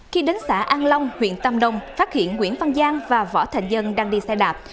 khi đến xã an long huyện tam nông phát hiện nguyễn văn giang và võ thành dân đang đi tìm